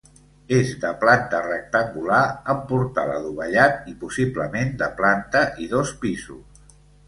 És de planta rectangular amb portal adovellat i possiblement de planta i dos pisos.